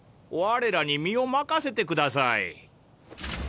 われらに身を任せてください。